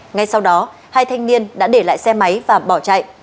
ngay sau đó hai thanh niên đã để lại xe máy và bỏ chạy